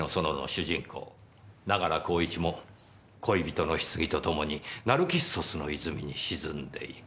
長良浩一も恋人の棺とともにナルキッソスの泉に沈んでいく。